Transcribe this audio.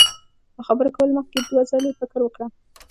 له خبرو کولو مخ کي دوه ځلي فکر وکړه